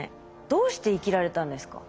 どうして生きられたんですか？